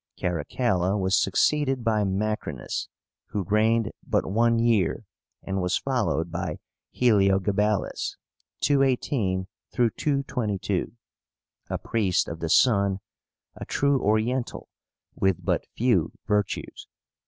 Caracalla was succeeded by MACRÍNUS, who reigned but one year, and was followed by HELIOGABALUS (218 222), a priest of the sun, a true Oriental, with but few virtues.